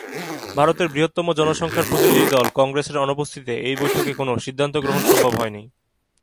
ভারতের বৃহত্তম জনসংখ্যার প্রতিনিধি দল কংগ্রেসের অনুপস্থিতিতে এই বৈঠকে কোনো সিদ্ধান্ত গ্রহণ সম্ভব হয়নি।